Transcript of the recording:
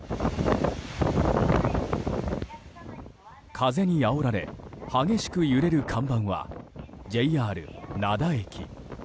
風にあおられ激しく揺れる看板は、ＪＲ灘駅。